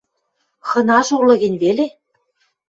Хынажы улы гӹнь веле»